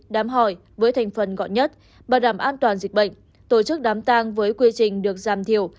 đám hỏi với thành phần gọn nhất bàn đảm an toàn dịch bệnh tổ chức đám tang với quy trình được giam thiểu